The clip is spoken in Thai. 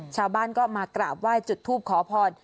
ชาวบ้านก็มากราบไหว้จุดทูปขอพร